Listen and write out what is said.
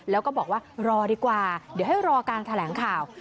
แล้วก็บอกว่ารอดีกว่าเดี๋ยวให้รอการแถลงข่าว